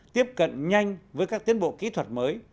tiếp cận nhanh với các tiến bộ kỹ thuật mới